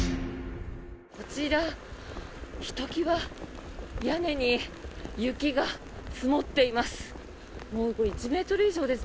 こちら、ひときわ屋根に雪が積もっています。